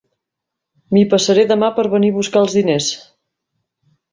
M'hi passaré demà per venir a buscar els diners.